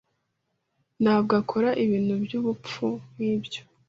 Ntabwo akora ibintu byubupfu nkibyo